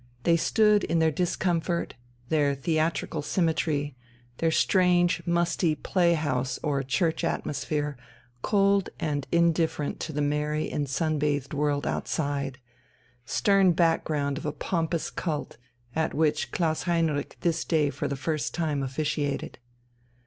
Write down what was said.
They stood in their discomfort, their theatrical symmetry, their strange musty play house or church atmosphere, cold and indifferent to the merry and sun bathed world outside stern background of a pompous cult, at which Klaus Heinrich this day for the first time officiated.